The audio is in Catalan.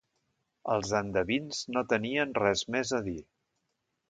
Els endevins no tenien res més a dir.